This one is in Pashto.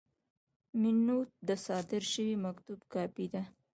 مینوټ د صادر شوي مکتوب کاپي ده.